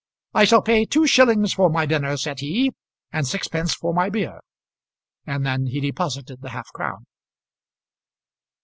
"I shall pay two shillings for my dinner," said he, "and sixpence for my beer;" and then he deposited the half crown.